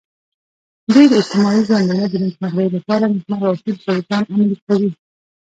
دوی د اجتماعي ژوندانه د نیکمرغۍ لپاره نیکمرغه اصول پر ځان عملي کوي.